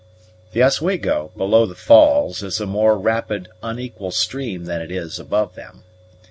The Oswego, below the falls, is a more rapid, unequal stream than it is above them.